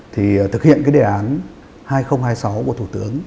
thì thực hiện cái đề án hai nghìn hai mươi sáu của thủ tướng